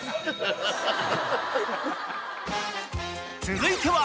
［続いては］